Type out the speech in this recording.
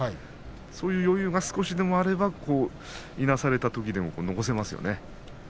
そういう余裕が少しでもあればいなされたときでも残せますよね。